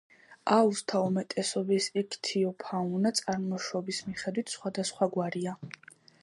აუზთა უმეტესობის იქთიოფაუნა წარმოშობის მიხედვით სხვადასხვაგვარია.